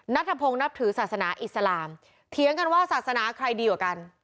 นัทพงศ์นับถือศาสนาอิสลามเถียงกันว่าศาสนาใครดีกว่ากัน